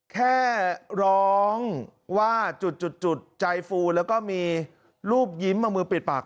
แค่ร้องว่าจุดใจฟูแล้วก็มีรูปยิ้มเอามือปิดปาก